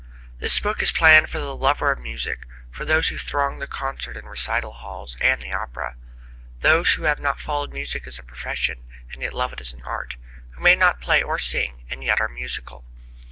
This book is planned for the lover of music, for those who throng the concert and recital halls and the opera those who have not followed music as a profession, and yet love it as an art; who may not play or sing, and yet are musical.